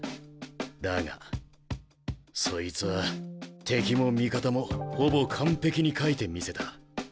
だがそいつは敵も味方もほぼ完璧に書いてみせた。